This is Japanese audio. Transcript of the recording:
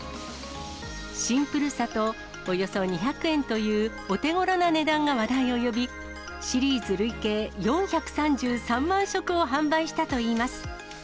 シンプルさとおよそ２００円というお手ごろな値段が話題を呼び、シリーズ累計４３３万食を販売したといいます。